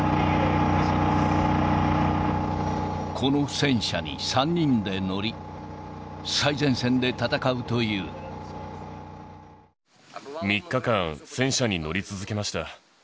この戦車に３人で乗り、３日間、戦車に乗り続けました。